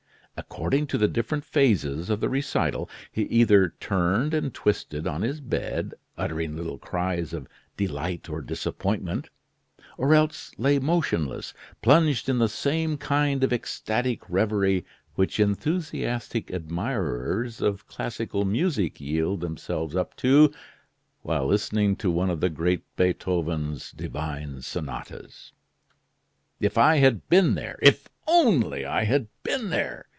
According to the different phases of the recital, he either turned and twisted on his bed, uttering little cries of delight or disappointment, or else lay motionless, plunged in the same kind of ecstatic reverie which enthusiastic admirers of classical music yield themselves up to while listening to one of the great Beethoven's divine sonatas. "If I had been there! If only I had been there!"